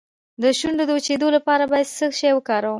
د شونډو د وچیدو لپاره باید څه شی وکاروم؟